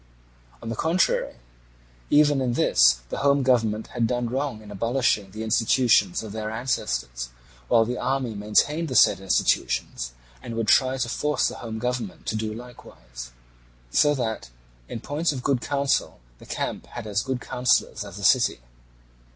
On the contrary, even in this the home government had done wrong in abolishing the institutions of their ancestors, while the army maintained the said institutions, and would try to force the home government to do so likewise. So that even in point of good counsel the camp had as good counsellors as the city.